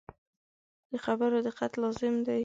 د خبرو دقت لازم دی.